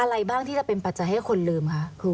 อะไรบ้างที่จะเป็นปัจจัยให้คนลืมคะ